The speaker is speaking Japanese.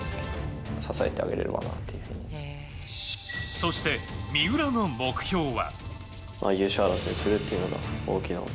そして、三浦の目標は。